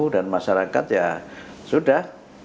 dan masyarakat ya sudah